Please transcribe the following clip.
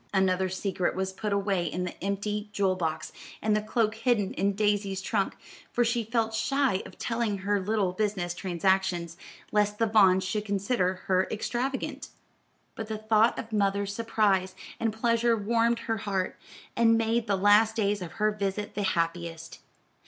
Another secret was put away in the empty jewel box, and the cloak hidden in Daisy's trunk; for she felt shy of telling her little business transactions, lest the Vaughns should consider her extravagant. But the thought of mother's surprise and pleasure warmed her heart, and made the last days of her visit the happiest.